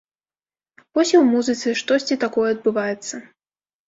Вось і ў музыцы штосьці такое адбываецца.